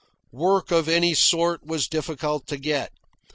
Work of any sort was difficult to get.